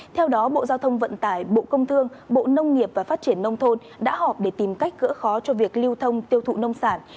theo đó bộ giao thông vận tải bộ công thương bộ nông nghiệp và phát triển nông thôn đã họp để tìm cách gỡ khó cho việc lưu thông tiêu thụ nông sản